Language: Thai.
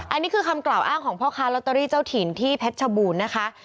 อันนี้คือคำกล่าวอ้างของพ่อค้าลอตเตอรี่เจ้าถิ่นที่เพชรชบูรณ์นะคะ